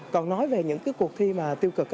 còn nói về những cái cuộc thi mà tiêu cực